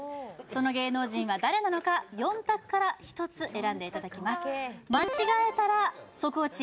その芸能人は誰なのか４択から１つ選んでいただきます間違えたらソクオチ